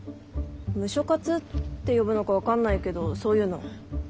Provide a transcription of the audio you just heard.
ムショ活って呼ぶのか分かんないけどそういうの。